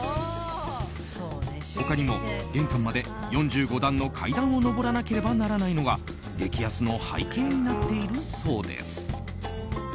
他にも、玄関まで４５段の階段を登らなければならないのが激安の背景になっているそうです。